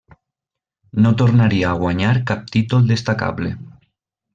No tornaria a guanyar cap títol destacable.